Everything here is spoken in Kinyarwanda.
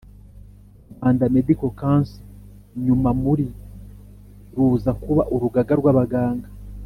Rwanda Medical Council nyuma muri ruza kuba Urugaga rw Abaganga